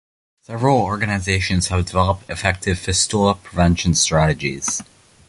Several organizations have developed effective fistula prevention strategies.